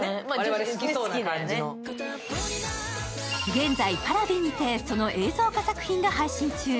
現在Ｐａｒａｖｉにて、その映像化作品が配信中